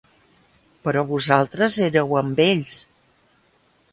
Però vosaltres éreu amb ells.